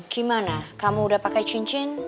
gimana kamu udah pakai cincin